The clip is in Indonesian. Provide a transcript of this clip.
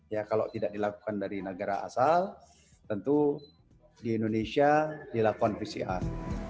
ya kalau tidak dilakukan dari negara asal tentu di indonesia dilakukan pcr